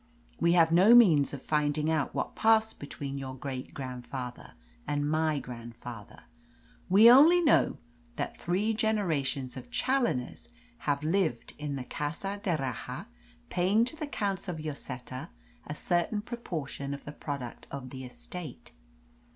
We have no means of finding out what passed between your great grandfather and my grandfather. We only know that three generations of Challoners have lived in the Casa d'Erraha, paying to the Counts of Lloseta a certain proportion of the product of the estate.